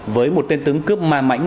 với một tên tướng cướp ma mảnh